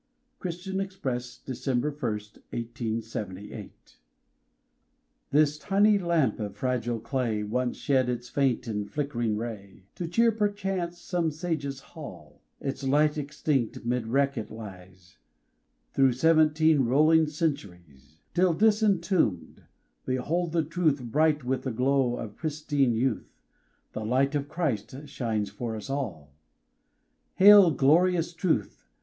'" Christian Express, December 1, 1878. This tiny lamp of fragile clay Once shed its faint and flick'ring ray, To cheer perchance some sage's hall; Its light extinct, 'mid wreck it lies, Through seventeen rolling centuries; Till disentombed, behold the truth, Bright with the glow of pristine youth, "The light of Christ shines for us all!" Hail, glorious truth!